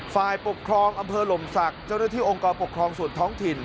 ฝ่ายปกครองอำเภอหลมศักดิ์เจ้าหน้าที่องค์กรปกครองส่วนท้องถิ่น